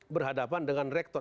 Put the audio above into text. berhadapan dengan rektor